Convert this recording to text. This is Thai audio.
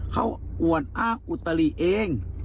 เขาอวดอ้างอุตลิเอง